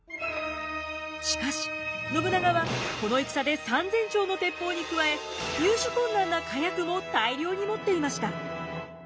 しかし信長はこの戦で３，０００挺の鉄砲に加え入手困難な火薬も大量に持っていました。